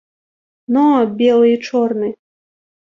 Но, белы і чорны!